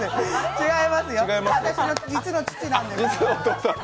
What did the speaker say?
違いますよ、私の実の父なんです。